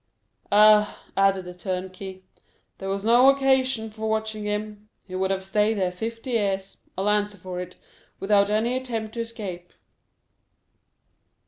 "Ah," added the turnkey, "there was no occasion for watching him; he would have stayed here fifty years, I'll answer for it, without any attempt to escape."